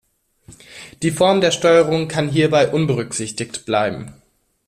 Die Form der Steuerung kann hierbei unberücksichtigt bleiben.